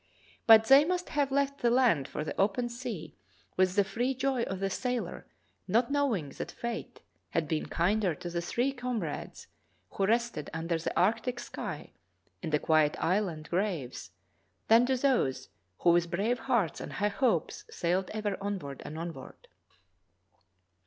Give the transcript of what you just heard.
But they must have left the land for the open sea with the free joy of the sailor, not knowing that fate had been kinder to the three comrades who rested under the arctic sky in the quiet island graves than to those who with brave hearts and high hopes sailed ever onward and onward.